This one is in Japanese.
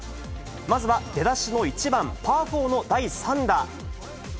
まずは出だしの１番パー４の第３打。